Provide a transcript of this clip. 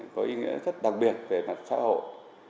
có ý nghĩa rất đặc biệt về mặt xã hội